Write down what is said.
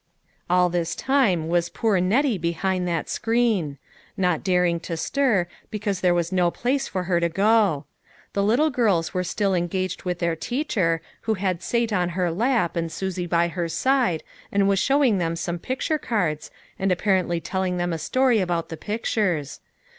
All this time was poor Nettie behind that screen. Not daring to stir, because there was no place for her to go. The little girls were still en gaged with their teacher, who had Sate on her lap, and Susie by her side, and was showing them some picture cards, and apparently telling them a story about the pictures.